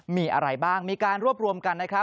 มีอะไรบ้างมีการรวบรวมกัน